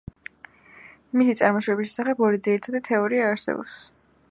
მისი წარმოშობის შესახებ ორი ძირითადი თეორია არსებობს.